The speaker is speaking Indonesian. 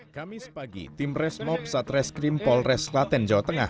kami sepagi tim resmob satreskrim polres klaten jawa tengah